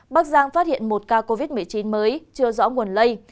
bắc giang phát hiện một ca covid một mươi chín mới chưa rõ nguồn lây